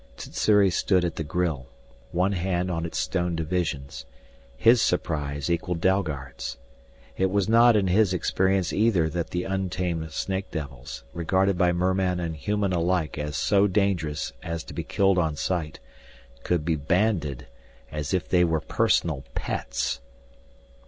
Sssuri stood at the grille, one hand on its stone divisions. His surprise equaled Dalgard's. It was not in his experience either that the untamed snake devils, regarded by merman and human alike as so dangerous as to be killed on sight, could be banded as if they were personal pets!